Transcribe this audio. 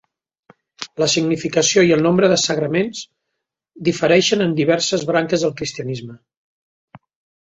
La significació i el nombre de sagraments difereixen en diverses branques del cristianisme.